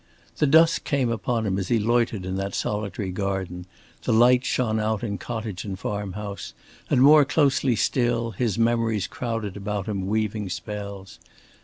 The dusk came upon him as he loitered in that solitary garden; the lights shone out in cottage and farm house; and more closely still his memories crowded about him weaving spells.